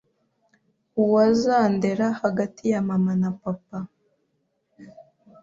uwazandera hagati ya mama na papa